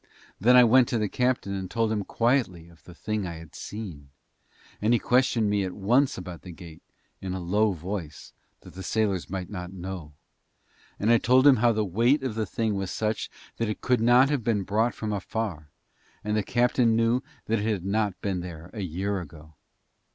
Then I went to the captain and told him quietly of the thing I had seen. And he questioned me at once about the gate, in a low voice, that the sailors might not know; and I told him how the weight of the thing was such that it could not have been brought from afar, and the captain knew that it had not been there a year ago.